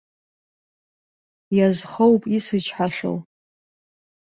Иазхоуп исычҳахьоу!